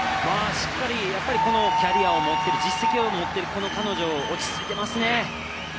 キャリアを持っている実績を持っている、彼女落ち着いていますね。